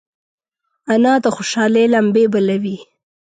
انا د خوشحالۍ لمبې بلوي